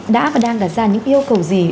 các giải pháp đang đặt ra những yêu cầu gì